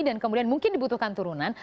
dan kemudian mungkin dibutuhkan turunan